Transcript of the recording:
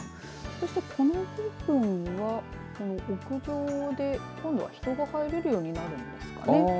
そしてこの部分は屋上で人が入れるようになるんですかね。